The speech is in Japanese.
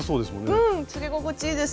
うんつけ心地いいです。